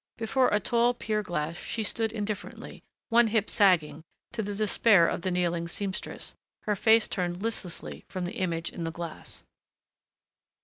Before a tall pier glass she stood indifferently, one hip sagging to the despair of the kneeling seamstress, her face turned listlessly from the image in the glass.